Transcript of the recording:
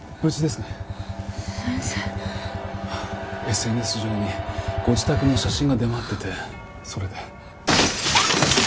ＳＮＳ上にご自宅の写真が出回っててそれで。